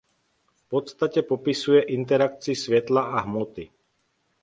V podstatě popisuje interakci světla a hmoty.